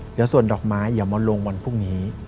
เดี๋ยวส่วนดอกไม้เดี๋ยวมาโรงวันพรุ่งนี้